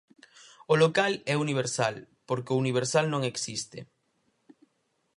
O local é universal, porque o universal non existe.